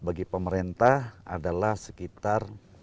bagi pemerintah adalah sekitar